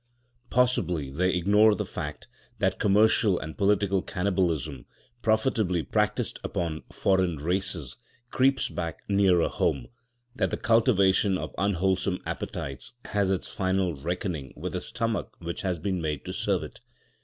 Possibly they ignore the fact that commercial and political cannibalism, profitably practised upon foreign races, creeps back nearer home; that the cultivation of unwholesome appetites has its final reckoning with the stomach which has been made to serve it.